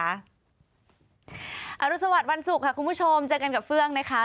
รุสวัสดิ์วันศุกร์ค่ะคุณผู้ชมเจอกันกับเฟื่องนะคะ